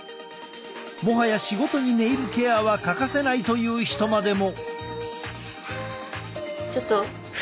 もはや仕事にネイルケアは欠かせないという人までも！